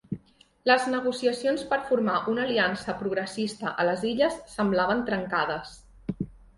Les negociacions per formar una aliança progressista a les Illes semblaven trencades.